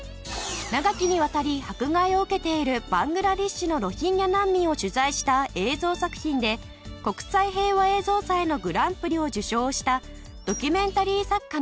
長きにわたり迫害を受けているバングラデシュのロヒンギャ難民を取材した映像作品で国際平和映像祭のグランプリを受賞したドキュメンタリー作家の小